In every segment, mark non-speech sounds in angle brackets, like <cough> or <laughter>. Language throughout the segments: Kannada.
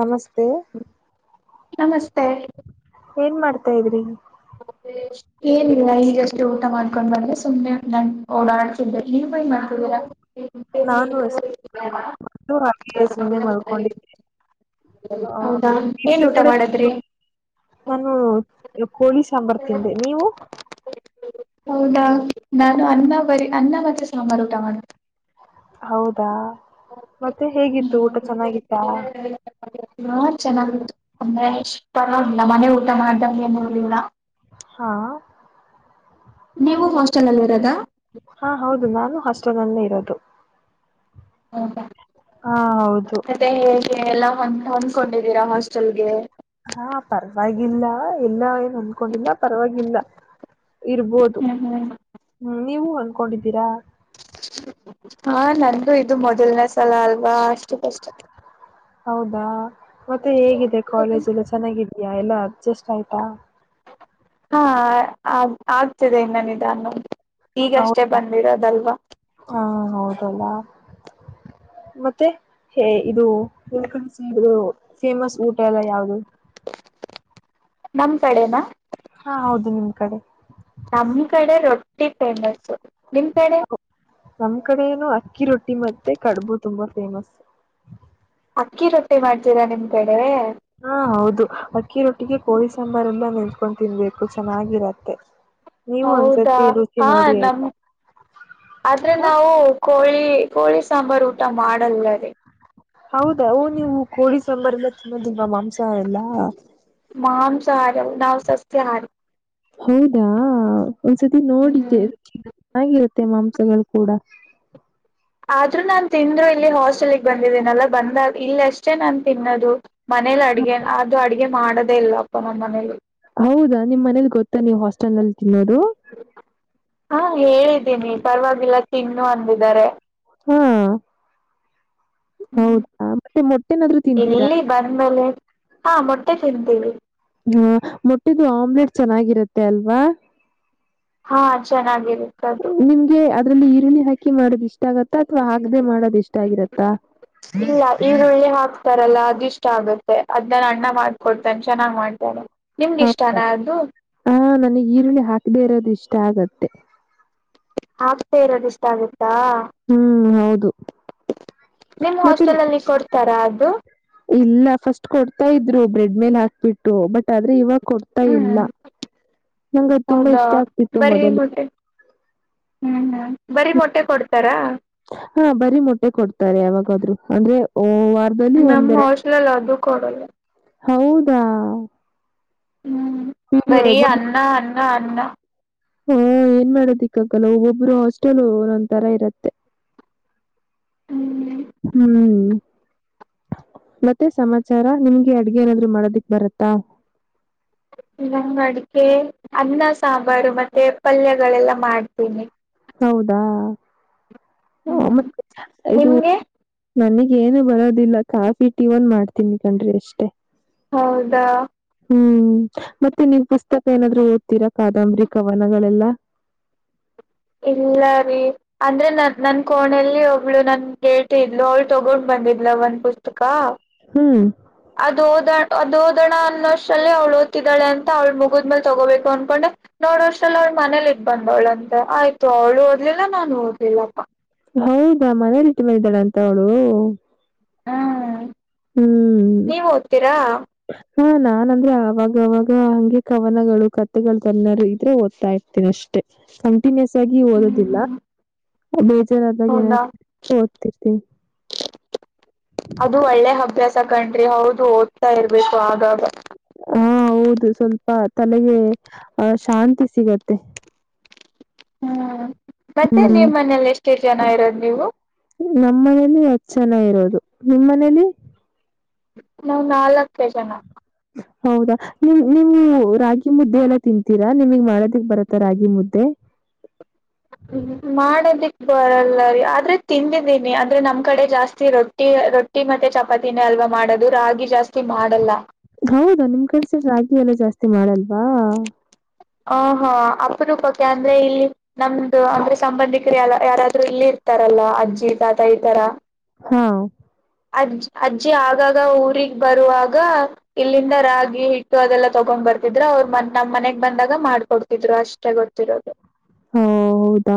ನಮಸ್ತೆ ನಮಸ್ತೆ ಏನ್ ಮಾಡ್ತಾ ಇದ್ರಿ ಏನಿಲ್ಲ ಈಗಷ್ಟೇ ಊಟ ಮಾಡ್ಕೊಂಡ್ ಬಂದೆ ಸುಮ್ನೆ ನನ್ ಓಡಾಡ್ತಿದ್ದನೆ ನೀ ಮಾಡ್ತೀರಾ ನಾನು <unintelligible> ಸುಮ್ಮನೆ ಮಲ್ಕೊಂಡಿದ್ದೆ ಹೌದಾ ಏನ್ ಊಟ ಮಾಡದ್ರಿ <unintelligible> ಸಾಂಬಾರ್ ತಿಂದೆ ನೀವು ಹೌದಾ ನಾನು ಅನ್ನ ಬರಿ ಅನ್ನ ಮತ್ತೆ ಸಾಂಬಾರ್ ಊಟ ಮಾಡ ಹೌದಾ ಮತ್ತೆ ಹೇಗಿತ್ತು ಊಟಾ ಚೆನ್ನಾಗತ್ತಾ ಚೆನ್ನಾಗಿತ್ತು ಅಂದ್ರೆಷ್ಟ ಪರವಾಗಿಲ್ಲ ಮನೆ ಊಟ ಮಾಡ್ದಂ ಏನಲಿಲ್ಲ ಹಾ ನೀವು ಹಾಸ್ಟೆಲ್ ಅಲ್ಲಿ ಇರೋದಾ ಹಾ ಹೌದು ನಾನು ಹಾಸ್ಟೆಲ್ ನಲ್ಲೇ ಇರೋದು ಹೌದಾ ಹಾ ಹೌದು ಮತ್ತೆ ಹೇಗೆ ಎಲ್ಲಾ ಒಂದ ಹೊಂದ್ಕೊಂಡಿದ್ದೀರಾ ಹಾಸ್ಟೆಲ್ಗೆ ಹಾ ಪರವಾಗಿಲ್ಲ ಎಲ್ಲ ಏನು ಅಂದಕೊಂಡಿಲ್ಲೋ ಪರವಾಗಿಲ್ಲಾ ಇರ್ಬೋದು ಹ್ಮ್ ಹ್ಮ್ ಹ್ಮ ನೀವು ಹೊಂನ್ಕೊಂಡಿದ್ದೀರಾ ಹಾ ನಂದು ಇದು ಮೊದಲನ ಸಲ ಅಲ್ವಾ ಅಷ್ಟು ಕಷ್ಟ ಹೌದಾ ಮತ್ತೆ ಹೇಗಿದೆ ಕಾಲೇಜ್ ಎಲ್ಲ ಚೆನ್ನಾಗಿದಯಾ ಎಲ್ಲ ಅಡ್ಜಸ್ಟ್ ಆಯ್ತಾ ಹಾ ಆ ಆಗ್ತಿದೆ ಇನ್ನನಧಾನು ಈಗಷ್ಟೇ ಹೌದಾ ಬಂದಿರೋದಲ್ವಾ ಹಾ ಹೌದಲ್ಲ <inaudible> ಮತ್ತೆ ಹೇ ಇದುಕಳಸ ಇದು ಫೇಮಸ್ ಊಟ ಎಲ್ಲ ಯಾವ್ದದು ನಮ್ ಕಡೆನಾ ಹಾ ಹೌದು ನಿಮ್ ಕಡೆ ನಮ್ ಕಡೆ ರೊಟ್ಟಿ ಫೇಮಸ್ ನಿಮ್ ಕಡೆ ನಮ್ ಕಡೆನು ಅಕ್ಕಿ ರೊಟ್ಟಿ ಮತ್ತೆ ಕಡುಬು ತುಂಬಾ ಫೇಮಸ್ ಅಕ್ಕಿ ರೊಟ್ಟಿ ಮಾಡ್ತರಾ ನಿಮ್ ಕಡೆ ಹಾ ಹೌದು ಅಕ್ಕಿ ರೊಟ್ಟಿ ಹೀಗೆ ಕೋಳಿ ಸಾಂಬಾರಲ್ಲ ನೆಂಚ್ಕೊಂಡು ತಿನ್ಬೇಕು ಚೆನ್ನಾಗಿರತ್ತೆ ನೀವು ಹೌದಾ ಒಂದ್ಸತಿ ರುಚಿ ಹಾ ನೋಡಿ ಆಯ್ತಾ ನಮ ಆದ್ರೆ ಹ ನಾವು ಕೋಳಿ ಕೋಳಿ ಸಾಂಬಾರು ಊಟ ಮಾಡಲ್ಲ ರೀ ಹೌದ ನೀವು ಕೋಳಿ ಸಾಂಬಾರ ಮ ತ ನಿಮ್ಮ ಮಾಂಸಾಹ ಅಲ್ಲ ಮಾಂಸಹಾರಿ ಅಲ್ಲ ಸಸ್ಯ ಹರಿ ನಾವು ಹೌದಾ ಒಂದ್ಸತಿ ನೋಡ ಹ್ಮ್ ಚೆನ್ನಾಗಿರುತ್ತೆ ಮಾಂಸಗಳು ಕೂಡ ಆದ್ರೂ ನಾನ್ ತಿಂದ್ರು ಇಲ್ಲಿ ಹಾಸ್ಟೆಲ್ಗೆ ಬಂದಿದ್ದೀನಲ್ಲ ಬಂದಾಗ ಇಲ್ಲ ಅಷ್ಟೇ ನಾನು ತಿನ್ನೋದು ಮನೇಲಿ ಅಡುಗೆ ಅದು ಅಡುಗೆ ಮಾಡೋದೇ ಇಲ್ಲವಪ್ಪ ನಮ್ಮ ಮನೇಲಿ ಹೌದಾ ನಿಮ್ಮ ಮನೇಲಿ ಗೊತ್ತಾ ನೀವು ಹಾಸ್ಟೆಲ್ ನಲ್ಲಿ ತಿನ್ನೋದು ಹಾ ಹೇಳಿದ್ದೀನಿ ಪರವಾಗಿಲ್ಲ ತಿನ್ನು ಅಂದಿದ್ದಾರೆ ಹ್ಮ್. ಹ್ಮ್ ಹೌದಾ ಮತ್ತೆ ಮೊಟ್ಟೆನಾದ್ೂ ತಿಂತೀರಾ ಇಲ್ಲಿ ಬಂದ್ಮೇಲೆ ಹಾ ಮೊಟ್ಟೆ ತಿಂತವಿ. ಹಾ ಮೊಟ್ಟಿದ್ದು ಆಮ್ಲೆಟ್ ಚೆನ್ನಾಗಿರತ್ತೆ ಅಲ್ವಾ ಹಾ ಚೆನ್ನಾಗಿರಿ ನಿಮ್ಗೆ ಅದ್ರಲ್ಲಿ ಈರುಳ್ಳಿ ಹಾಕಿ ಮಾಡದಿಷ್ಟು ಇಷ್ಟ ಆಗತ್ತಾ ಅಥವಾ ಆಗದೆೇ ಮಾಡೋದ ಇಷ್ಟ ಆಗಿರತ್ತಾ. ಅದೆಲ್ಲ ಅದ ಇಷ್ಟ ಆಗುತ್ತೆ ಅದ್ನ್ನಾನ ಅಣ್ಣ ಮಾಡ್ಕೊಡ್ತೇನೆ ಚೆನ್ನಾಗ್ ಮಾಡ್ತೇನೆ. ಹೌದಾ ಹ ನನಗ್ ಈರುಳ್ಳಿ ಹಾಕದೆೇ ಇರೋದು ಇಷ್ಟ ಆಗತ್ತೆ. ಹಾಕ್ತಾ ಇರೋದ ಇಷ್ಟ ಆಗುತ್ತೆ. ಹ್ಮ್ ಹೌದು. ನಿಮ್ ಮತ್ತೆ ಹಾಸ್ಟೆಲ್ ಅಲ್ಲಿ ಕೊಡ್ತಾರಾ ಅದು ಇಲ್ಲ ಫಸ್ಟ್ ಕೊಡ್. ಇದ್ರು ಬ್ರೆಡ್ ಮೇಲೆ ಹಾಕ್ಬಿಟ್ಟು ಬಟ್ ಆದ್ರೆ ಇವಾಗ. ಕೊಡ್ತಾ ಇಲ್ಲ ಹ್ಮ್ ನಂಗದು ತುಂಬಾ ಹೌದಾ ಇಷ್ಟ ಆಗ್ತಿತ್ತು ಬರ್ರಿ ಮೊದಲು. ಮೊಟ್ಟೆ ಹ್ಮ್ ಹ್ಮ್ ಬರಿೀ ಮೊಟ್ಟೆ ಕೊಡ್ತಾರಾ. ಹಾ ಬರಿೀ ಮೊಟ್ಟೆ ಕೊಡ್ತಾರೆ ಯಾವಾಗಾದ್ರು ಅಂದ್ರೆ. ವಾರದಲ್ಲಿ ನಮ್ಮ್ ಒಂದೆರಡು ಹಾಸ್ಟೆಲಲ್ಲಿ ಅದು ಕೊಡಲ್ಲ. ಹೌದಾ ಹ್ಞೂ ಬರೀ ಅನ್ನ ಅನ್ನ ಅನ್ನ ಹ ಏನ್ ಮಾಡೋದಕ್ಕಾಗಲ್ಲ ಒಬ್ಬೊಬ್ರು ಹಾಸ್ಟೆಲ್ ಒಂದೊಂದ್ ತರ ಇರುತ್ತೆ ಇರತ್ತೆ ಹ್ಮ್ ಹ್ಮ್ ಮತ್ತೆ ಸಮಾಚಾರ ನಿಮ್ಗೆ ಅಡ್ಗೆ ಏನಾದ್ರೂ ಮಾಡೋದಿಕ್ ಬರತ್ತಾ <inaudible> ನನಗೆ ಅಡಿಗೆ ಅನ್ನ ಸಾಂಬಾರು ಮತ್ತೆ ಪಲ್ಯಗಳೆಲ್ಲ ಮಾಡ್ತೀನಿ ಹೌದಾ ಹ್ಮ್ ಮತ್ತೆ ಇದು ನಿಮ್ಗೆ ನನಗ್ ಏನು ಬರೋದಿಲ್ಲ ಕಾಫಿ ಟೀ ಒನ್ ಮಾಡ್ತೀನಿ ಕಣ್ರಿ ಅಷ್ಟೇ ಹೌದಾ ಹ್ಮ್ ಮತ್ತೆ ನೀವು್ ಪುಸ್ತಕ ಏನಾದ್ದ್ರೂ ಓದ್ತೀರಾ ಕಾದಂಬರಿ ಕವನಗಳೆಲ್ಲಾ <inaudible> ಇಲ್ಲ ರೀ ಅಂದ್ರೆ ನ ನನ್ ಕೋಣೆಯಲ್ಲಿ ಒಬ್ಳು ನನ್ ಗೇಟ್ ಇದ್ಲು ಅವಳು ತಗೊಂಡ್ ಬಂದ ವಿದ್ಲ ಒನ್ ಪುಸ್ತಕ ಹ್ಮ್ ಅದು ಓದ ಅದು ಓದೋಣ ಅನ್ನೋಷ್ಟಲ್ಲಿ ಅವ್ಳ ಓದತಿದ್ದಾಳೆ ಅಂತ ಅವ್ಳ ಮುಗಿದಮೇಲೆ ತಗೋಬೇಕು ಅನ್ಕೊಂಡೆ ನೋಡ್ವರ್ಲ್ಲ ಅವ್ಳ ಮನೇಲಿ ಇಟ್ ಬಂದವಳಂತೆ ಆಯ್ತು ಅವ್ಳು ಓದ್ಲಿಲ್ಲ ನಾನು ಓದ್ಲಿಲ್ಲಪ್ಪ ಹೌದಾ ಮನೇಲಿಟ್ಟ ಮಾಡಿದಾಳ ಅಂತ ಅವಳು ಹ್ಮ್ ಹ್ಮ್ ನೀವ್ ಓದ್ತೀರಾ ಹಾ ನಾನನ್ ಅಂದ್ರೆ ಅವಾಗವಾಗ ಹಂಗೆ ಕವನಗಳು ಕಥೆಗಳು ತನ್ನರು ಇದ್ರೆ ಓದ್ತಾಾಯ್ತ ಅಷ್ಟೆ ಕಂಟಿನ್ಯೂಸ್ ಆಗಿ ಓದೋದಿಲ್ಲ ಹ್ಮ್ ಜನ ಬಾಗ ಏನ ಹೌದಾ ಓದ್ತಿರ್ತೀನಿ ಅದು ಒಳ್ಳೆ ಅಭ್ಯಾಸ ಕಣ್ರಿ ಹೌದು ಓದ್ತಾ ಇರ್ಬೇಕು ಆಗಾಗ ಹಾ ಹೌದು ಸ್ವಲ್ಪ ತಲೆಗೆ ಆಹ ಶಾಂತಿ ಸಿಗತ್ತೆ ಹ್ಮ ಮತ್ತೆ ಹ್ಮ್ ನಿಮ್ಮ ಮನೇಲಿ ಎಷ್ಟು ಜನ ಇರೋದು ನೀವು ನಮ್ಮ ಮನೇಲಿ ಹತ್ತು ಜನ ಇರೋದು ನಿಮ್ಮ್ ಮನೇಲಿ ನಾವ್ ನಾಲ್ಕ ಜನ ಹೌದಾ ನಿಮ ನೀವು ರಾಗಿ ಮುದ್ದೆ ಎಲ್ಲ ತಿಂತೀರಾ ನಿಮಗ್ ಮಾಡೋದಕ್ ಬರತ್ತ ರಾಗಿ ಮುದ್ದೆ <inaudible> ಹ್ಮ ಮಾಡದಿಕ್ ಬರಲ್ಲ ರ ಆದ್ರೆ ತಿಂದಿದ್ದೀನಿ ಅಂದ್ರೆ ನಮ್ ಕಡೆ ಜಾಸ್ತಿ ರೊಟ್ಟಿ ರೊಟ್ಟಿ ಮತ್ತೆ ಚಪಾತಿನ ಅಲ್ವಾ ಮಾಡದು ರಾಗಿ ಜಾಸ್ತಿ ಮಾಡಲ್ಲ ಹೌದಾ ನಿಮ್ ಕಡೆ ರಾಗಿ ಎಲ್ಲ ಜಾಸ್ತಿ ಮಾಡಲ್ವಾ ಹ ಹಾ ಅಪ್ಪನೂಪಕ್ಕೆ ಅಂದ್ರೆ ಇಲ್ಲಿ ನಮ್ದು ಅಂದ್ರೆ ಸಂಬಂಧಿಕರು ಯ ಯಾರಾದ್ರರು ಇಲ್ಲಿ ಇರ್ತಾರಲ್ಲಾ ಅಜ್ಜಿ ತಾತ ಈ ತರ ಹಾ ಅಜ್ಜ್ ಅಜ್ಜಿ ಆಗಾಗ ಊಗ್ ಬರುವಾಗ ಇಲ್ಲಿಂದ ರಾಗಿ ಹಿಟ್ಟು ಅದೆಲ್ಲ ತಗೊಂಡ್ ಬರ್ತಾರೆ ದ್ರು ಅವ್ರು ಮ ನಮ್ಮ್ ಮನೆಗ್ ಬಂದಾಗ ಮಾಡ್ಕೊಡ್ತಿದ್ರು ಅಷ್ಟೇ ಗೊತ್ತಿರೋದು ಹ ಹೌದಾ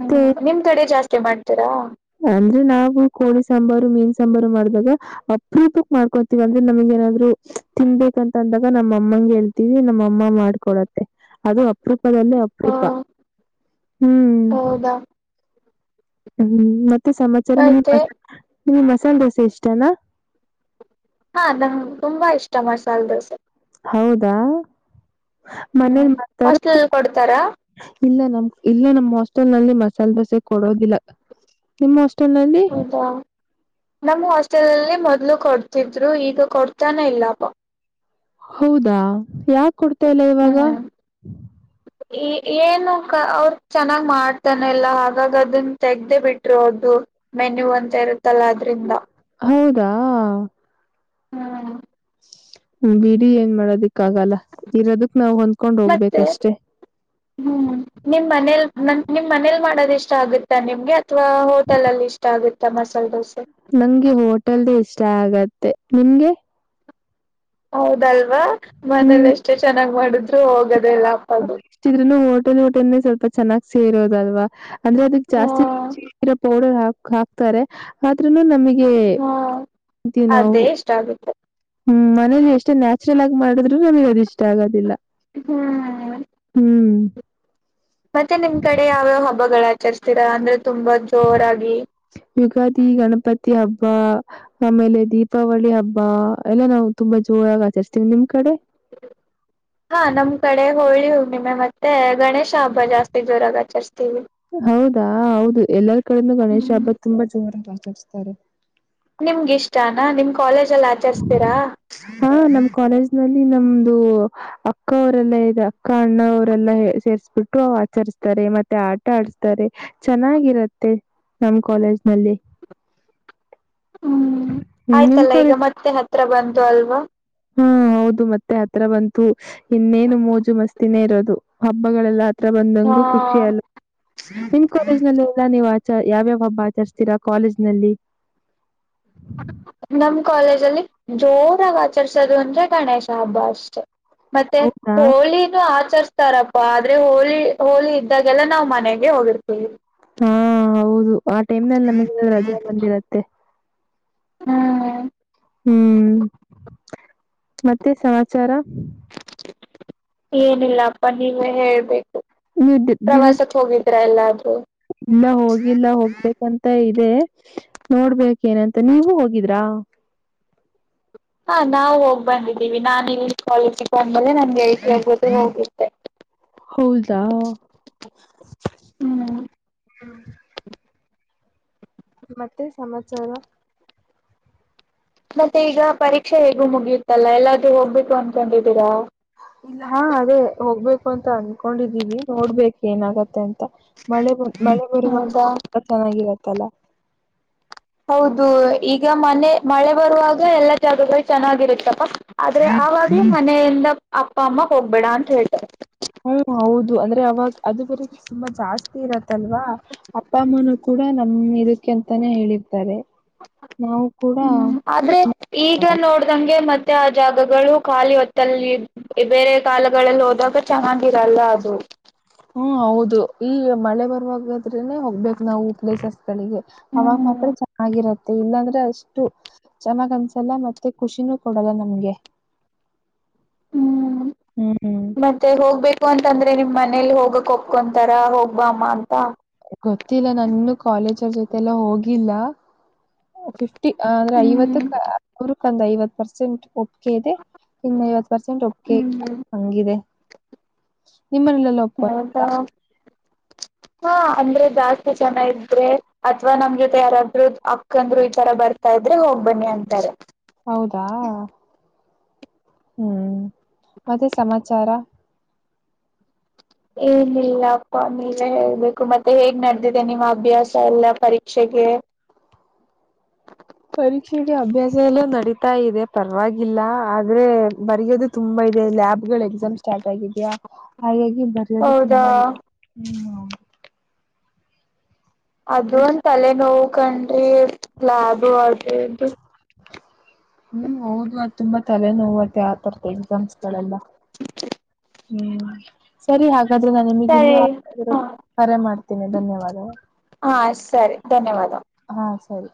ಹ್ಮ್ ನಿಮ್ ಕಡೆ ಜಾಸ್ತಿ ಮಾಡ್ತೀರಾ ಅಂದ್ರೆ ನಾವು ಕೋಳಿ ಸಾಂಬಾರು ಮೀನ್ ಸಾಂಬಾರು ಮಾಡ್ದಾಗ ಅಪರೂಪಕ್ ಮಾಡ್ಕೊತೀವ ಅಂದ್ರೆ ನಮಗೆ ಏನಾದ್ರು ತಿನ್ಬೇಕಂತ ಅಂದಾಗ ನಮ್ಮ ಅಮ್ಮಂಗ ಹೇಳ್ತಿದವಿ ನಮ್ಮಅಮ್ಮ ಮಾಡ್ಕೊಡತ್ತೆ ಅದು ಅಪರೂಪದಲ್ಲೇ ಹ ಅಪರೂಪ ಹ್ಮ್ ಹೌದಾ ಹ್ಮ್ ಮತ್ತೆ ಸಮಾಚಾರ ನಿಮ ಮತ್ತೆ ಮ ನಿಮಗ್ ಮಸಾಲೆ ದೋಸೆ ಇಷ್ಟನಾ ಹಾ ನಂಗೆ ತುಂಬಾ ಇಷ್ಟ ಮಸಾಲೆ ದೋಸೆ ಹೌದಾ ಹ್ಮ್ ಮನೇಲಿ ಮಾಡ್ತಾರ ಹಾಸ್ಟೆಲಲ್ಲಿ ಕೊಡ್ತಾರಾ ಇಲ್ಲ ನಮ್ಮ ಇಲ್ಲ ನಮ್ಮ್ ಹಾಸ್ಟೆಲ್ ನಲ್ಲಿ ಮಸಾಲೆ ದೋಸೆ ಕೊಡೋದಿಲ್ಲ ನಿಮ್ಮ ಹೌದಾ ನಮ್ಮ ಹಾಸ್ಟೆಲ್ಲ್ಲಿ ಮ ಇಲ್ಲೂ ಕೊಡ್ತಿದ್ರು ಈಗ ಕೊಡ್ತಾನೆ ಇಲ್ಲಪ್ಪ ಹೌದಾ ಯಾಕೆ ಕೊಡ್ತಾ ಇಲ್ಲ ಇವಾಗ ಈ ಏನು ಕ ಅವರು ಚೆನ್ನಾಗ್ ಮಾಡ್ತಾನಲ್ಲ ಹಾಗಾಗಿ ಅದನ್ನ ತೆಗ್ದೇ ಬಿಟ್ಟಿರೋದು ಮೆನ್ಯೂ ಅಂತ ಇರುತ್ತೆ ಹೌದಾ. ಹ್ಮ. ಹ್ಮ ಬಿಡಿ ಏನ್ ಮಾಡೋದಿ ಕ್ಕಾಗಲ್ಲ ಇರೋದಕ್ ನಾವ್ ಹೊಂದ್ಕೊಂಡ್ ಮತ್ತೆ ಹೋಗ್ಬೇಕಷ್ಟೆ. ನ ನಿಮ್ ಮನೇಲಿ ಮಾಡೋದ ಇಷ್ಟ ಆಗುತ್ತಾ ನಿಮ್ಗೆ ಅಥವಾ ಹೋಟೆಲ್ ಅಲ್ಲಿ ಇಷ್ಟ ಆಗುತ್ತಾ ಮಸಾಲೆ ದೋಸೆ. ನಂಗೆ ಹೋಟೆಲ್ದು ಇಷ್ಟ ಆಗತ್ತೆ ನಿಮಗೆ. ಹೌದಲ್ವಾ ಹ್ಮ್. ಮನೇಲಿ ಎಷ್ಟೇ ಚೆನ್ನಾಗ್ ಮಾಡಿದ್ರು ಹೋಗದೇಲ್ಲಪ್ಪ ಅದು. ೆ <unintelligible> ಟೆ ಸ್ವಲ್ಪ ಚೆನ್ನಾಗಿ ಸೇರೋ ಅಲ್ವಾ ಅಂದ್ರೆ ಅದಕ್ಕೆ <unintelligible> ಹ್ಮ ಜಾಸ್ತಿೌ. <inaudible> ಹ <unintelligible> ಹಾಕ್ತಾರೆ ಆದ್ರೂನು ನಮಗೆ ಹ್ಮ ಇ ನಾವು. ಅದೇ ಇಷ್ಟ ಆಗುತ್ತೆ ಹ್ಮ್ ಮನೇಲಿ ಎಷ್ಟೇ ನ್ಯಾಚುರಲ್ ಆಗಿ ಮಾಡಿದ್ರು ಅದು ಇಷ್ಟ ಆಗೋದಿಲ್ಲ. ಹ್ಮ್. ಹ್ಮ್ <unintelligible> ಮತ್ತೆ ನಿಮ್ಮ್ ಕಡೆ ಯಾವ ಹಬ್ಬಗಳು ಆಚರಿಸುತ್ತೀರಾ ಅಂದ್ರೆ ತುಂಬಾ ಜೋರಾಗಿ. ಯುಗಾದಿ ಗಣಪತಿ ಹಬ್ಬ ಆಮೇಲೆ ದೀಪಾವಳಿ ಹಬ್ಬ ಎಲ್ಲ ನಾವು ತುಂಬಾ ಜೊ. ಹೋಳು ಆಚರಿಸುತ್ತೀವಿ ನಿಮ್ಮ್ ಕಡೆ. ಹಾ ನಮ್ ಕಡೆ ಹೋಯು ಏಳು ದಿನ ಮತ್ತೆ ಗಣೇಶ ಹಬ್ಬ ಜಾಸ್ತಿ ಜೋರಾಗಿ ಆಚರಿಸ್ತೀವಿ. ಹೌದಾ ಹೌದು ಎಲ್ಲರ ಕಡೆನು ಗಣೇಶ ಹಬ್ಬ ತುಂಬಾ ಜೋರಾಗಿ ಆಚರಿಸುತ್ತಾರೆ. ನಿಮಗಿಷ್ಟನಾ ನಿಮ್ ಕಾಲೇಜಲ್ಲಿ ಆಚರಿಸ್ತೀರಾ. ಹಾ ನಮ್ ಕಾಲೇಜ್ ನಲ್ಲಿ ನಮ್ದು ಅಕ್ಕ ಅವರೆಲ್ಲಾ ಇಗ ಅಕ್ಕ ಅಣ್ಣ ಅವರೆಲ್ಲ ಸೇರ್ರಿಸುಬಿಟ್ಟು ಆಚರಿಸ್ತಾರೆ ಮತ್ತೆ ಆಟ ಪಡಿಸ್ತಾರೆ, ಚೆನ್ನಾಗಿರುತ್ತೆ ನಮ್ಮ ಕಾಲೇಜ್ ನಲ್ಲಿ. ಹ್ಮ್ ಹ್ಮ್ ನಿಮ್ ಆಯ್ತಲ್ಲ ಈಗ ಕಾಲೇಜ್ ಮತ್ತೆ ಹತ್ರ ಬಂದು ಅಲ್ವಾ. ಹಾ ಹೌದು ಮತ್ತೆ ಹತ್ರ ಬಂತು ಇನ್ನೇನು ಮೋಜು ಮಸ್ತಿನೇ ಇರೋದು ಹಬ್ಬಗಳೆಲ್ಲ. ಹತ್ರ ಹಾ ಬಂದಂಗೆ ಖುಷಿ ಅಲಿ ನಿಮ್ ಕಾಲೇಜ್ ನಿಂದ ಎಲ್ಲನೂ ಯಾವಾಗ ಹಬ್ಬ ಆಚರಿಸ್ತೀರಾ ಕಾಲೇಜ್ ನಲ್ಲಿ. ನಮ ಕಾಲೇಜು ಅಲ್ಲಿ ಜೋರಾಗಿ ಆಚರಿಸುವುದು ಅಂದ್ರೆ ಗಣೇಶ ಹಬ್ಬ ಅಷ್ಟೇ. ಮತ್ತೆ ಹೌದಾ ಹೋಳಿನ ಆಚರಿ ತಾರಪ್ಪ ಆದ್ರೆ ಹೋಳಿ ಹೋಳಿ ಇದ್ದಾಗೆಲ್ಲ ನಾವು ಮನೆಗೆ ಹೋಗಿ ಹಾ ಹೌದು ಆ ಟೈಮ್ ನಲ್ಲಿ ಹ್ಮ್ ನಮಗೆ ರಜಾ ಬಂದಿರುತ್ತೆ. ಹ್ಮ್ ಮತ್ತೆ ಸಮಾಚಾರ. ಏನಿಲ್ಲಪ್ಪ ನೀವೇ ಹೇಳ್ಬೇಕು ನೀವು ದಿ- ದಿನ ಪ್ರವಾಸಕ್ ಹೋಗಿದ್ರ ಎಲ್ಲ. ಇಲ್ಲ ಹೋಗಿಲ್ಲ ಹೋಗ್ಬೇಕಂತ ಇ ಹ್ಮು ನೋಡ್ಬೇಕು ಏನಂತ ನೀವು ಹೋಗಿದ್ರಾ. ಹಾ ನಾವು ಹೋಗ್ ಬಂದಿದ್ದೀವಿ ನಾನ್ ಇಂಗ್ಲೀಷ್ ಕಾಲೇಜಿಗೆ ಬಂದ್ಮೇಲೆ ನನ್ ಗೆಳತಿಯರ ಜೊತೆ ಹೋಗಿದ್ದೆ. ಹೌದಾ. ಹ್ಮ್ ಮತ್ತೆನ್ ಸಮಾಚಾರ. ಮತ್ತೆ ಈಗ ಪರೀಕ್ಷೆ ಹೇಗೂ ಮುಗಿಯುತ್ತಲ್ಲ ಎಲ್ಲಾದ್ರೂ ಹೋಗ್ಬೇಕು ಅನ್ಕೊಂಡಿದ್ದೀರಾ. ಹಾ ಅದೇ ಹೋಗ್ಬೇಕು ಅಂತ ಅನ್ಕೊಂಡಿದೀವಿ ನೋಡ್ಬೇಕು ಏನಾಗುತ್ತೆ ಅಂತ. ಮಳೆ ಮಳೆ ಹೌದಾ ಬರುವರೆಗೂ ತುಂಬಾ ಚೆನ್ನಾಗಿರುತ್ತಲ್ಲ. ಹೌದು ಈಗ ಮನೆ ಮಳೆ ಬರುವಾಗ ಎಲ್ಲಾ ಜಾಗಗಳು ಚೆನ್ನಾಗಿರುತ್ತಪ್ಪ ಆದ್ರೆ. ತಪ್ಪುಮನೆಯಿಂದ ಅಪ್ಪ ಅಮ್ಮ ಹೋಗ್ಬೇಡ ಅಂತ ಹೇಳ್ತಾರೆ. ಹ್ಮ ಹೌದು ಅದ್ರೆ ಅವಾಗ ಅದು ಬರೆ ತುಂಬಾ ಜಾಸ್ತಿ ಇರತ್ತಲ್ವಾ ಅಪ್ಪ ಅಮ್ಮನ್ ಕೂಡ ನಮ್ಮೂರಕ್ಕಿಂತ ನೇ ಹೇಳಿದ್ದಾರೆ. ಹ್ಮ್ ಆದ್ರೆ ಈಗ ನೋಡ್ದಂಗೆ ಮತ್ತೆ. ಮತ್ತೆ ಆ ಜಾಗಗಳು ಖಾಲಿ ಹೊತ್ತಲ್ಲಿ ಬೇರೆ ಕಾಲಗಳಲ್ಲಿ ಹೋದಾಗ ಚೆನ್ನಾಗಿರಲ್ಲ ಅದು. ಹ್ಮ್ ಹೌದು ಈಗ ಮಳೆ ಬರುವಾಗ ತ್ರಿನೆ ಹಬ್ಬಕ್ಕೂ ನಾವು ಪ್ಲೇಸಸ್ ಗಳಿಗೆ ಅವಾಗ ಹ್ಮ್ ಮಾತ್ರ ಚೆನ್ನಾಗಿರತ್ತೆ. ತು ಇಲ್ಲಾಂದ್ರೆ ಅಷ್ಟು ಚೆನ್ನಾಗ್ ಅನ್ಸಲ್ಲ ಮತ್ತೆ ಖುಷಿನೂ ಕೊಡಲ್ಲ ನಮ್ಗೆ. ಹ್ಮ್ ಹ್ಮ್ ಮತ್ತೆ ಹೋಗ್ಬೇಕು ಅ. ಯಾಕೆ ಅಂದ್ರೆ ನಿಮ್ಮ್ ಮನೇಲಿ ಓದಕ್ಕೆ ಒಪ್ಕೊಂತಾರ ಹೋಗ್ ಬಾಮ್ಮ ಅಂತ. ಗೊತ್ತಿಲ್ಲ ನಾನಿನ್ನು ಕಾಲೇಜು ಜೊತೆಲ್ಲೆ ಹೋಗಿಲ್ಲ ಹೇ ಅದ್ರ್ ಐವತ್ತು ಹ್ಮ್ ಪ ಅದ್ರುಕೊಂದು ಐವತ್ತು ಪರ್ಸೆಂಟ್. ಕೇದೊ ಇನ್ನು ಐವತ್ ಪರ್ಸೆಂಟ್ ಅಕ್ಕಿ ಹ್ಮ್ ಹಂಗಿದೆ. ನಿಮ್ಮಗೆ ಮನೆ ಪೊ. ತೋ ಅಂದ್ರೆ ಜಾಸ್ತಿ ಜನ ಇದ್ರೆ ಅಥವ ನಮ್ ಜೊತೆ ಯಾರಾದ್ರರು ಅಕ್ಕಂದ್ರು ಇತರ ಬರ್ತ ಇಬ್ಬರೆ ಹೋಗ್ಬನ್ನಿ ಅಂತಾರೆ. ಹೌದಾ ಹ್ಮ್ ಮತ್ತೆ ಸಮಾಚಾರ. ಏನಿಲ್ಲಪ್ಪ ನೀವೆ ಹೇಳ್ಬೇಕು ಮತ್ತೆ ಹೇಗ್ ನಡೆದಿದೆ ನಿಮ್ಮ್ ಅಭ್ಯಾಸ ಎಲ್ಲ ಪರೀಕ್ಷೆ. ಇದೋ <inaudible> ಆತಾ ಇದೆ ಪರವಾಗಿಲ್ಲ ಆದ್ರೆ ಬರೆಯೋದು ತುಂಬಾ ಇದೆ ಲ್ಯಾಬ್ ಗಳು ಎಕ್ಸಾಮ್ ಸ್ಟಾರ್ಟ್ ಆಗಿದೆಯ ಹಾಗಾಗಿ ಬರೋದು ಹೌದಾ ತುಂಬಾ ಇದೆ ಹ್ಮ ಅದ ಒಂದ ತಲೆ ನೋವು ಕಣ್ರಿ ಲ್ಯಾಬ್ ಅದು ಇದು ಹ್ಮ್ ಹೌದು ಅದು ತುಂಬಾ ತಲೆನೋವತ್ತ ಆವತರದ ಎಕ್ಸಾಮ್ಸ್ ಗಳೆಲ್ಲ ಹ್ಮ್ ಸರಿ ಹಾಗ ನಾನ ನಿಮಗೆ ಸರಿ ಇನ್ನ ಹ ಕರೆ ಮಾಡ್ತೇನೆ ಧನ್ಯವಾದಗಳು ಹಾ ಸರಿ ಧನ್ಯವಾದ ಹಾ ಸರಿ